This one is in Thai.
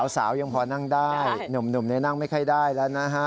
สาวยังพอนั่งได้หนุ่มนั่งไม่ค่อยได้แล้วนะฮะ